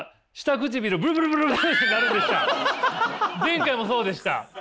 前回もそうでした！